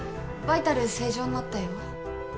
バイタル正常になったよ。